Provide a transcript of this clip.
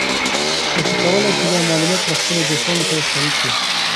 تاسو کولی شئ دا معلومات له خپلو دوستانو سره شریک کړئ.